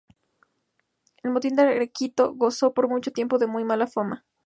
El motín de Arequito gozó por mucho tiempo de muy mala fama.